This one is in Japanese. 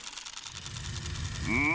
うん！